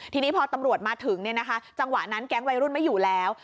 ทีนี้พอตำรวจมาถึงจังหวะนั้นแก๊งวัยรุ่นไม่อยู่แล้ว